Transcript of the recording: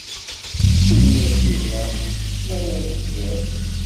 Ini-yas ihi ma ad d-yas.